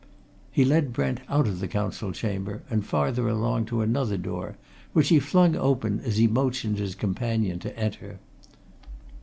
He led Brent out of the Council Chamber and farther along to another door, which he flung open as he motioned his companion to enter.